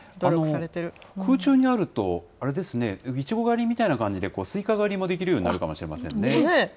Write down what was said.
空中にあると、あれですね、イチゴ狩りみたいな感じでスイカ狩りもできるようになるかもしれませんね。